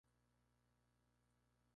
No representa todos los conciertos del tour.